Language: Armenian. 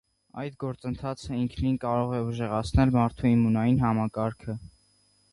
Այդ գործընթացը ինքնին կարող է ուժեղացնել մարդու իմունային համակարգը։